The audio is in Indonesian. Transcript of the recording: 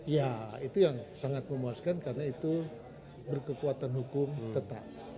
ya itu yang sangat memuaskan karena itu berkekuatan hukum tetap